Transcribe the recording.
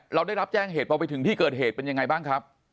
เราได้รับแจ้งเหตุพอไปถึงที่เกิดเหตุเป็นยังไงบ้างครับ